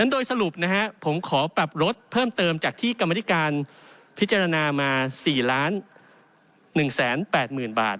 โดยสรุปผมขอปรับลดเพิ่มเติมจากที่กรรมธิการพิจารณามา๔๑๘๐๐๐บาท